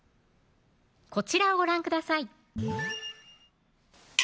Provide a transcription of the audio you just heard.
こちらをご覧ください